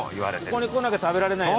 ここに来なきゃ食べられない。